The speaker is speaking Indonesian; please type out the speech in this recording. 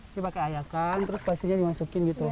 ini pakai ayakan terus pasirnya dimasukin gitu loh